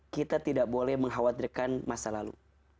kita tidak boleh mengkhawatirkan masa lalu